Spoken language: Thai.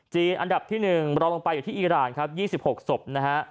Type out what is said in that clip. อันดับที่๑รอลงไปอยู่ที่อีรานครับ๒๖ศพนะฮะ